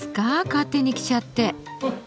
勝手に着ちゃって。